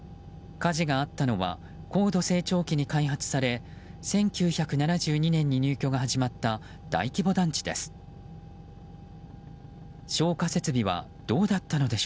火事があったのは高度成長期に開発され１９７２年に入居が始まった大規模団地です。